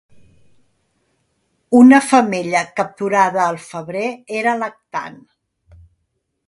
Una femella capturada al febrer era lactant.